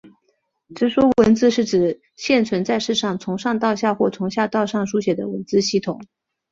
直书文字是指现存在世上从上到下或从下到上书写的文字系统。